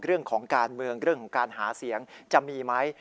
เรื่องของการเมืองเรื่องของการหาเสียงจะมีไหม